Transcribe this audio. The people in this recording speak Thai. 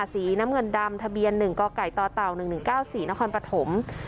สีน้ำเงินดำทะเบียนหนึ่งก่อไก่ต่อเตาหนึ่งหนึ่งเก้าสี่นครปฐม